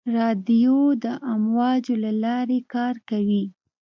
رادیو د امواجو له لارې کار کوي.